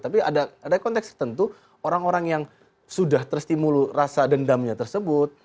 tapi ada konteks tentu orang orang yang sudah terstimulus rasa dendamnya tersebut